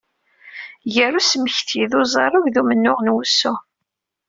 Gar usmekti n uzarug d umennuɣ n umussu.